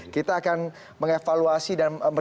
kita akan mengevaluasi dan